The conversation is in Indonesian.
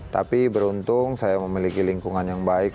tapi beruntung saya memiliki lingkungan yang baik